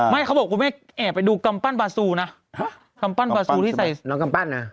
เขาบอกคุณแม่แอบไปดูกำปั้นบาซูนะกำปั้นบาซูที่ใส่น้องกำปั้นนะ